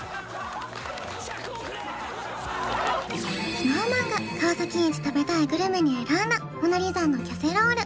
ＳｎｏｗＭａｎが川崎イチ食べたいグルメに選んだモナリザンのキャセロール